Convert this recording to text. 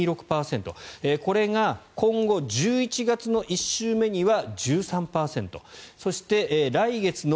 これが今後１１月の１週目には１３％